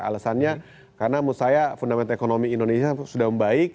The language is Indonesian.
alasannya karena menurut saya fundament ekonomi indonesia sudah membaik